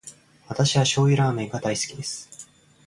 私は醤油ラーメンが大好きです。